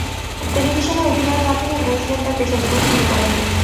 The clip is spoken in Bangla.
টেলিভিশনে অভিনয়ের মাধ্যমে উইন্সলেট তার পেশাজীবন শুরু করেন।